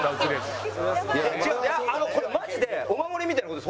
違うこれマジでお守りみたいな事です。